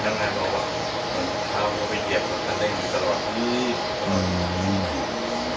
น้องหน้าบอกว่าถ้าเราไปเกียรติกันเรื่องนี้ก็จะหล่อที่นี่